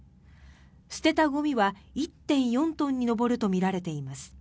捨てたゴミは１．４トンに上るとみられています。